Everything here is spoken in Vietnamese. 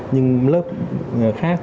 nhưng lớp khác